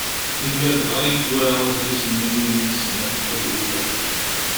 Imir dɣa i yura adlis-nni iwmi isemma Tagduda